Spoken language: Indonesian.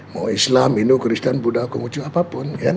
mau islam hindu kristen buddha komuju apapun